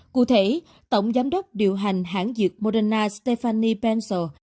cụ thể tổng giám đốc điều hành hãng dược moderna stephanie pencil